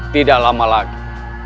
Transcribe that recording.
tidak lama lagi